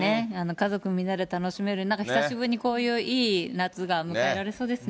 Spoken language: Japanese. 家族みんなで楽しめる、久しぶりにこういういい夏が迎えられそうですね。